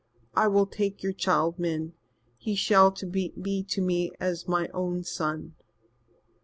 "I will take your child, Min. He shall be to me as my own son."